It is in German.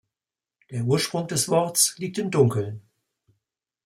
Der Ursprung des Worts liegt im Dunkeln.